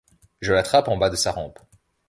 Je l’attrape en bas de sa rampe.